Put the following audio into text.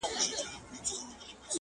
زه د جنتونو و اروا ته مخامخ يمه؛